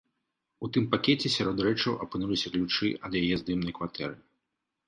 У тым пакеце сярод рэчаў апынуліся ключы ад яе здымнай кватэры.